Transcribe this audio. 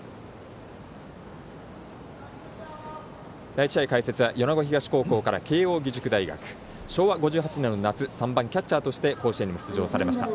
第１試合解説は米子東高校から慶応義塾大学、昭和５８年の夏３番、キャッチャーとして甲子園にも出場されました。